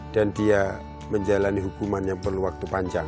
dan dia menjalani hukuman yang perlu waktu panjang